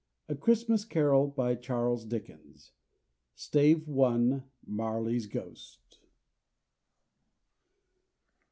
A CHRISTMAS CAROL. BY CHARLES DICKENS. STAVE ONE. MARLEY'S GHOST.